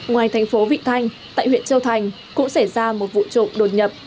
ngoài tp vịnh thanh tại huyện châu thành cũng xảy ra một vụ trộm đột nhập